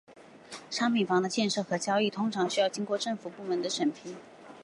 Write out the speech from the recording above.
商品房的建设和交易通常需要经过政府部门的审批。